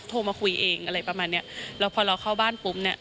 โทรมาคุยเองอะไรประมาณเนี้ยแล้วพอเราเข้าบ้านปุ๊บเนี้ย